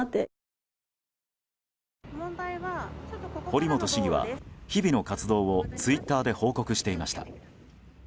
堀本市議は、日々の活動をツイッターで報告していました。